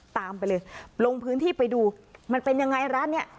ตามไปเลยลงพื้นที่ไปดูมันเป็นยังไงร้านเนี่ย